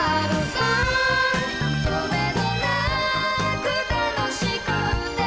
「とめどなく楽しくて」